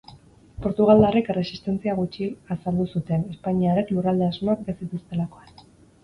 Portugaldarrek erresistentzia gutxi azaldu zuten, espainiarrek lurralde-asmoak ez zituztelakoan.